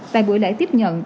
tại buổi lễ tiếp nhận